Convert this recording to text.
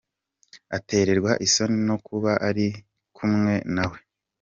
Aterwa isoni no kuba ari kumwe nawe.